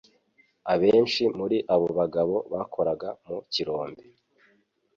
Abenshi muri abo bagabo bakoraga mu kirombe.